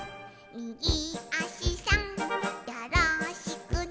「みぎあしさんよろしくね」